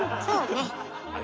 そうね。